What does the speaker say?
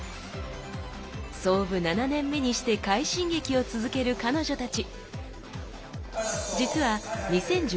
創部７年目にして快進撃を続ける彼女たち。